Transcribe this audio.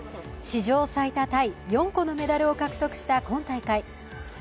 史上最多タイ４個のメダルを獲得した今大会。